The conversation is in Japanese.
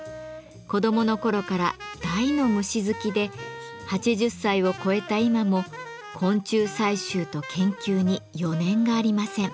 子どもの頃から大の虫好きで８０歳を超えた今も昆虫採集と研究に余念がありません。